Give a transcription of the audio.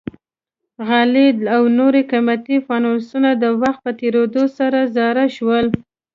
غالۍ او نور قیمتي فانوسونه د وخت په تېرېدو سره زاړه شول.